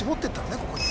ここに。